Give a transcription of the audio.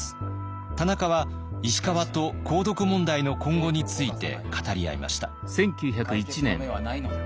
田中は石川と鉱毒問題の今後について語り合いました。